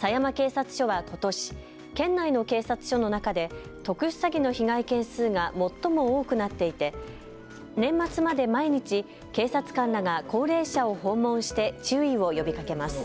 狭山警察署はことし県内の警察署の中で特殊詐欺の被害件数が最も多くなっていて年末まで毎日、警察官らが高齢者を訪問して注意を呼びかけます。